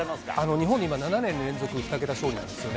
日本で今、７年連続２桁勝利ですよね。